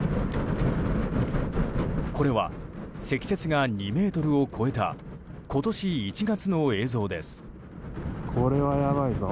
これは積雪が２ｍを超えた今年１月の映像です。